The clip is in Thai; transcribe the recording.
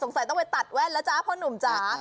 ต้องไปตัดแว่นแล้วจ๊ะพ่อหนุ่มจ๋า